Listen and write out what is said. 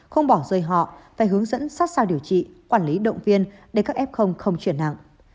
không bỏ rơi họ phải hướng dẫn sát sao điều trị quản lý động viên để các f không chuyển nặng